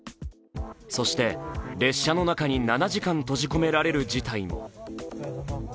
そして、列車の中に７時間閉じ込められる事態も。